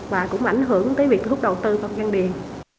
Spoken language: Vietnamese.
và cũng ảnh hưởng tới việc thu hút đầu tư vào răng điền